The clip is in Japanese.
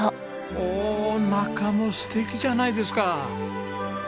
おお中も素敵じゃないですか。